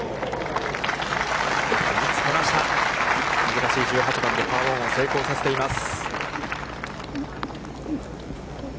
難しい１８番でパーオンを成功させています。